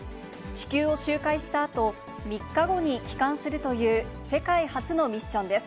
地球を周回したあと、３日後に帰還するという世界初のミッションです。